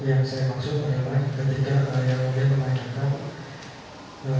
begini yang saya maksudkan ketika yang mungkin memainkan